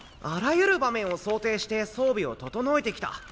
あらゆる場面を想定して装備を整えてきた。